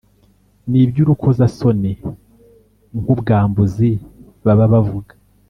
ni byurukozasoni nku bwambuzi baba bavuga